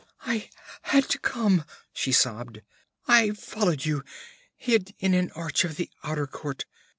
'I had to come!' she sobbed. 'I followed you hid in an arch of the outer court.